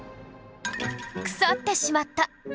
腐ってしまった！